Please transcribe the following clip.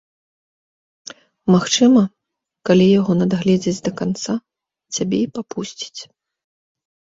Магчыма, калі яго надгледзець да канца, цябе і папусціць.